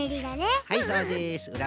はいそうです